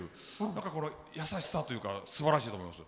何かこの優しさというかすばらしいと思います。